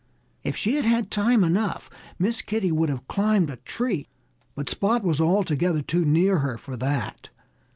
If she had had time enough Miss Kitty would have climbed a tree. But Spot was altogether too near her for that.